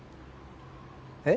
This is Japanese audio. えっ？